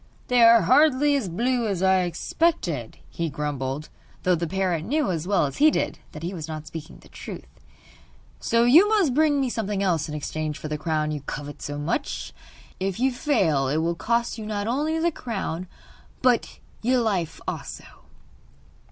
'They are hardly as blue as I expected,' he grumbled, though the parrot knew as well as he did that he was not speaking the truth; 'so you must bring me something else in exchange for the crown you covet so much. If you fail it will cost you not only the crown but you life also.